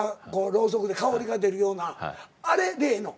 ろうそくで香りが出るようなあれでええの？